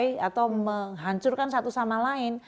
kita akan menghancurkan satu sama lain